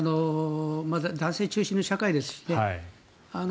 男性中心の社会ですしね。